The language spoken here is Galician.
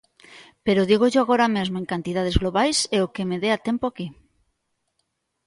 Pero dígollo agora mesmo en cantidades globais e o que me dea tempo aquí.